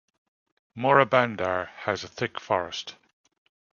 Morabandar has a thick forest.